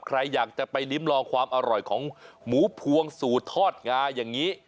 ใครอยากจะไปลิ้มลองความอร่อยของหมูพวงสูตรทอดงาอย่างนี้